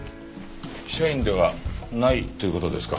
社員ではないという事ですか？